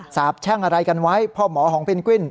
สาบแช่งอะไรกันไว้พ่อหมอของเพนกวิน